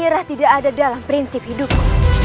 menyerah tidak ada dalam prinsip hidupku